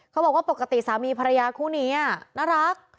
เขาบอกว่าปกติสามีภรรยาคู่นี้น่ารัก